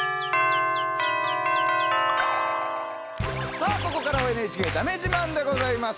さあここからは「ＮＨＫだめ自慢」でございます。